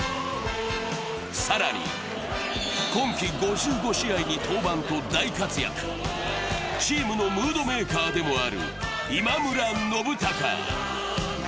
更に、今季５５試合に登板と大活躍、チームのムードメーカーでもある今村信貴。